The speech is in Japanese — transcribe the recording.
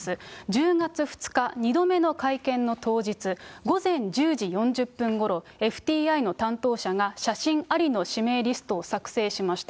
１０月２日、２度目の会見の当日、午前１０時４０分ごろ、ＦＴＩの担当者が写真ありの指名リストを作成しました。